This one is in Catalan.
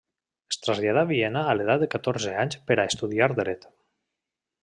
Es traslladà a Viena a l'edat de catorze anys per a estudiar Dret.